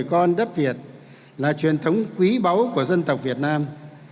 con đất việt là truyền thống quý báu của dân tộc việt nam